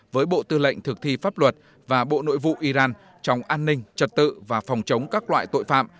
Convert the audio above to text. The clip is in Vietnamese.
với bộ tư lệnh thực thi pháp luật và bộ nội vụ iran trong an ninh trật tự và phòng chống các loại tội phạm